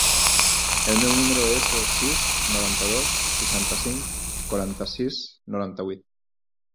El meu número es el sis, noranta-dos, seixanta-cinc, quaranta-sis, noranta-vuit.